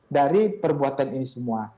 dari perbuatan ini semua